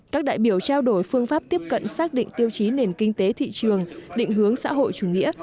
các đại biểu trao đổi phương pháp tiếp cận xác định tiêu chí nền kinh tế thị trường định hướng xã hội chủ nghĩa